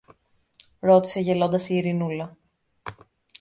ρώτησε γελώντας η Ειρηνούλα.